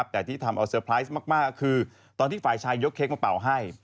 แต่ที่ทำเอาเซอร์ไพรส์มากคือตอนที่ฝ่ายชายยกเค้กมาเป่าให้